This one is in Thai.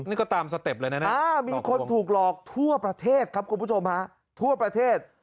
นี่ก็ตามสเต็ปเลยนะมีคนถูกหลอกทั่วประเทศครับคุณผู้ชมฮะทั่วประเทศ